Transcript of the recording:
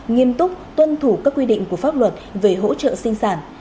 nghiêm túc tuân thủ các quy định của pháp luật về hỗ trợ sinh sản